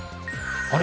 あれ？